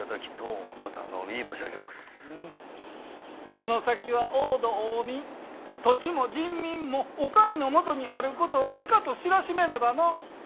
この先は王土王臣土地も人民もお上の下にあることをしかと知らしめねばのう。